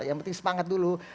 yang penting semangat dulu